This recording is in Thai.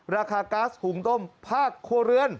ราคาก๊าซหุงต้มภาคครัวเรือน